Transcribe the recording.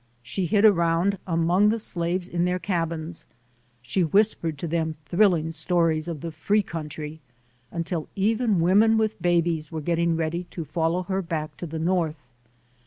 She hid around among the slaves in their cabins. She whispered to them thrilling stories of the free country, until even women with babies were get ting ready to follow her back to the North.